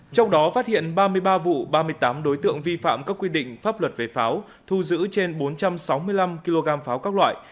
trong đó phát hiện ba mươi ba vụ ba mươi tám đối tượng vi phạm các quy định pháp luật về pháo thu giữ trên bốn trăm sáu mươi năm kg pháo các loại